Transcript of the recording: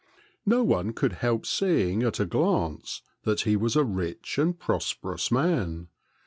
No one could help seeing at a glance that he was a rich and prosperous man.